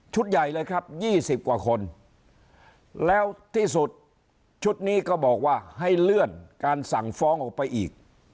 ใหญ่เลยครับ๒๐กว่าคนแล้วที่สุดชุดนี้ก็บอกว่าให้เลื่อนการสั่งฟ้องออกไปอีก